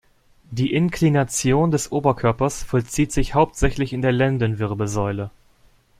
Die Inklination des Oberkörpers vollzieht sich hauptsächlich in der Lendenwirbelsäule.